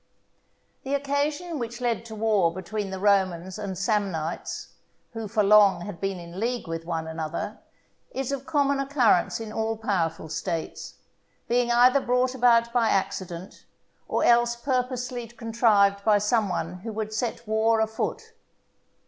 The occasion which led to war between the Romans and Samnites, who for long had been in league with one another, is of common occurrence in all powerful States, being either brought about by accident, or else purposely contrived by some one who would set war a foot.